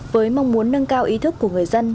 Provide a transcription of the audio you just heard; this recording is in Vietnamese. với mong muốn nâng cao ý thức của người dân